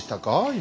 今。